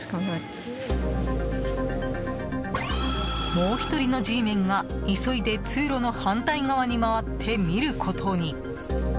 もう１人のＧメンが急いで通路の反対側に回ってみることに。